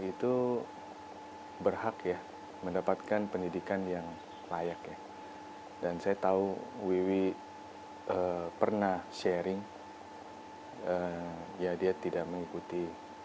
itu berhak ya mendapatkan pendidikan yang layak ya dan saya tahu wiwi pernah sharing ya dia tidak mengikuti